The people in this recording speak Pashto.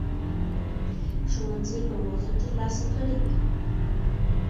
ښوونځي به موخې ترلاسه کړي وي.